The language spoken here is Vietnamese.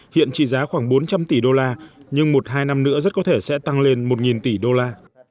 hiện trị giá khoảng bốn trăm linh tỷ đô la nhưng một hai năm nữa rất có thể sẽ tăng lên một tỷ đô la